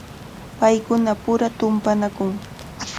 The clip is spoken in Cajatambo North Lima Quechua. Paykunapura tumpanakun.